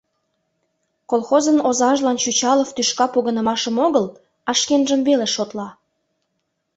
Колхозын озажлан Чучалов тӱшка погынымашым огыл, а шкенжым веле шотла.